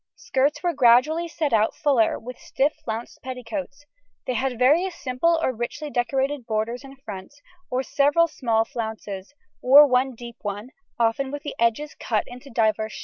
Skirts were gradually set out fuller, with stiff flounced petticoats; they had various simple or richly decorated borders and fronts, or several small flounces, or one deep one often with the edges cut into divers shapes.